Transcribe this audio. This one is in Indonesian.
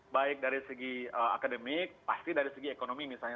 baik dari segi akademik pasti dari segi ekonomi misalnya